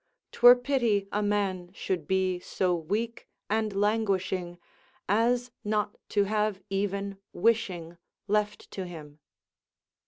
'Twere pity a man should be so weak and languishing, as not to have even wishing left to him.